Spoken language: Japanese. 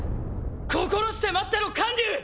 心して待ってろ観柳！